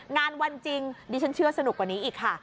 งานวันจริงดิฉันเชื่อสนุกกว่านี้อีกค่ะ